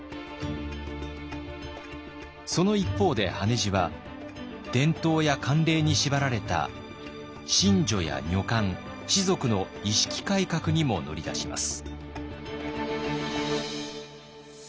その一方で羽地は伝統や慣例に縛られた神女や女官士族の意識改革にも乗り出します。